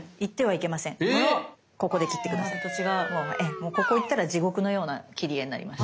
もうここ行ったら地獄のような切り絵になります。